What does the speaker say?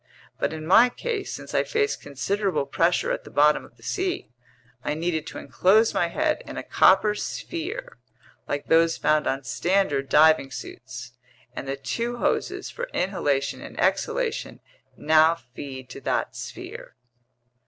But in my case, since I face considerable pressures at the bottom of the sea, I needed to enclose my head in a copper sphere, like those found on standard diving suits, and the two hoses for inhalation and exhalation now feed to that sphere."